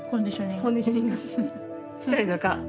コンディショニングしたりとか。